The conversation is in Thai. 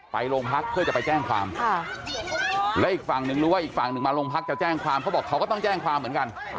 ไปโรงพักเพื่อจะไปแจ้งความและอีกฝั่งหนึ่งรู้ว่าอีกฝั่งหนึ่งมาโรงพักจะแจ้งความเขาบอกเขาก็ต้องแจ้งความเหมือนกัน